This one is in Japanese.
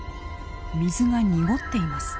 水が濁っています。